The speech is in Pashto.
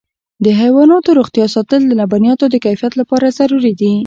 د حیواناتو روغتیا ساتل د لبنیاتو د کیفیت لپاره ضروري دي.